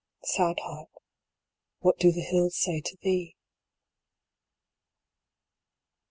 Sad Heart, what do the hills say to thee